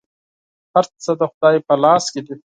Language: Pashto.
هر څه د خدای په لاس کي دي .